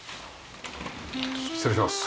失礼します。